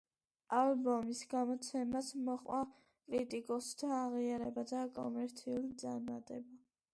ალბომის გამოცემას მოჰყვა კრიტიკოსთა აღიარება და კომერციული წარმატება.